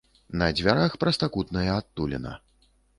На дзвярах прастакутная адтуліна.